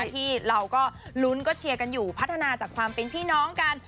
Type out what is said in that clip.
ที่เราก็ลุ้นก็เชียร์กันอยู่พัฒนาจากความเป็นพี่น้องกัน